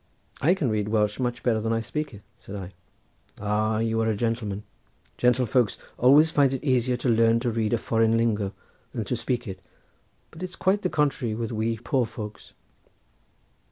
"I can read Welsh much better than I can speak it," said I. "Ah, you are a gentleman—gentlefolks always find it easier to learn to read a foreign lingo than to speak it, but it's quite the contrary with we poor folks."